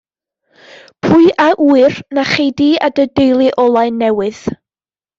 Pwy a ŵyr na chei di a dy deulu olau newydd.